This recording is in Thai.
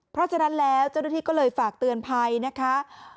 เพราะฉะนั้นแล้วเจ้าหน้าที่ก็เลยฝากเตือนภัยนะคะ